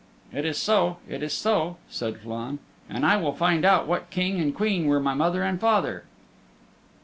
"It is so, it is so," said Flann, "and I will find out what King and Queen were my father and my mother."